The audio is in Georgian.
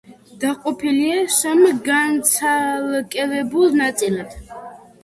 დაყოფილია სამ განცალკევებულ ნაწილად.